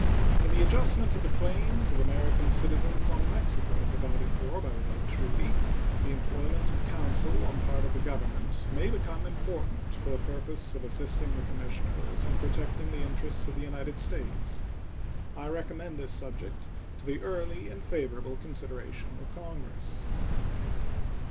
In the adjustment of the claims of American citizens on Mexico, provided for by the late treaty, the employment of counsel on the part of the Government may become important for the purpose of assisting the commissioners in protecting the interests of the United States. I recommend this subject to the early and favorable consideration of Congress.